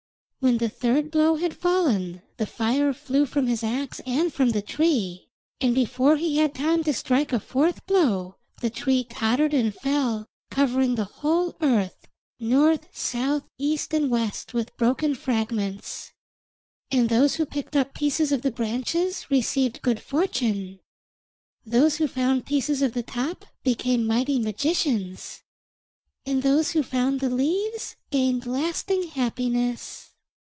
When the third blow had fallen the fire flew from his axe and from the tree; and before he had time to strike a fourth blow, the tree tottered and fell, covering the whole earth, north, south, east, and west, with broken fragments. And those who picked up pieces of the branches received good fortune; those who found pieces of the top became mighty magicians; and those who found the leaves gained lasting happiness.